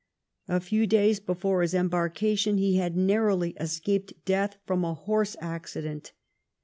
A few days before his embarkation he had narrowly escaped death from a horse accident.